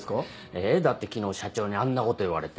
えっだって昨日社長にあんなこと言われて。